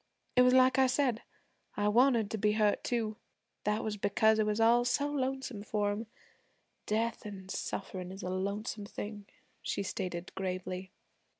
It was like I said I wanted to be hurt too. That was because it was all so lonesome for 'em. Death an' sufferin' is a lonesome thing,' she stated gravely.